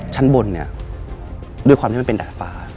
ชั้นบนเนี่ยด้วยความที่มันเป็นดาดฟ้า